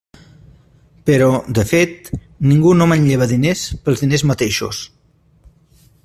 Però, de fet, ningú no manlleva diners pels diners mateixos.